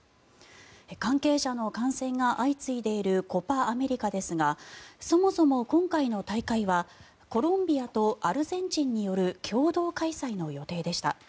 関係者の感染が相次いでいるコパ・アメリカですがそもそも今回の大会はコロンビアとアルゼンチンによる共同開催の予定でした。